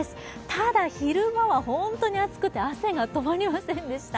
ただ、昼間は本当に暑くて、汗が止まりませんでした。